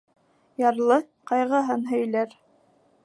Ярлы ҡайғыһын һөйләр.